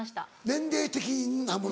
年齢的なもの？